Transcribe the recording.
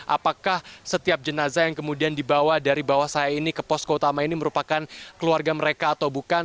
apakah setiap jenazah yang kemudian dibawa dari bawah saya ini ke posko utama ini merupakan keluarga mereka atau bukan